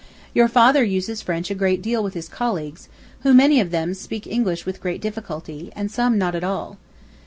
Your father uses French a great deal with his colleagues, who, many of them, speak English with great difficulty, and some not at all.